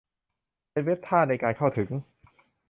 เป็นเว็บท่าในการเข้าถึง